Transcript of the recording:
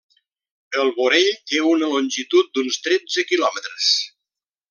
El vorell té una longitud d'uns tretze quilòmetres.